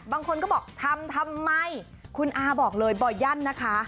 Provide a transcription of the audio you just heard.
บางคนก็บอกทำทำไมคุณอาบอกเลยบ่อยั่นนะคะ